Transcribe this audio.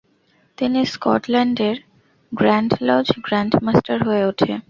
তিনি স্কটল্যান্ডের grand lodge grandmaster হয়ে ওঠে।